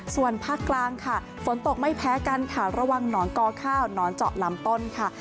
ส่วนภาคกลางค่ะฝนตกไม่แพ้กันค่ะระวังหนอนกอข้าวหนอนเจาะลำต้นค่ะ